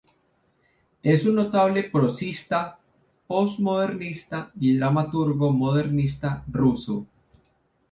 Es un notable prosista post-modernista y dramaturgo modernista ruso.